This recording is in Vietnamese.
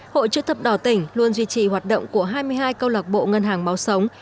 hội chức thập đỏ tỉnh luôn duy trì hoạt động của hai mươi hai câu lạc bộ ngân hàng máu sống